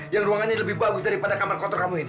yang ruangannya lebih bagus daripada kamar kotor kamu ini